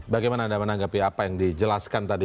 bagaimana anda menanggapi apa yang dijelaskan tadi